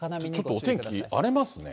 ちょっとお天気、荒れますね。